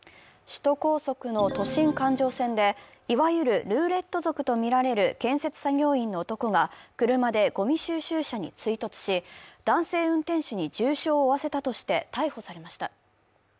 首都高速の都心環状線で、いわゆるルーレット族とみられる建設作業員の男が車でごみ収集車に追突し、男性運転手に重傷を負わせたとして逮捕されました。